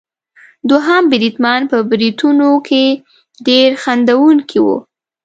دوهم بریدمن په بریتونو کې ډېر خندوونکی وو.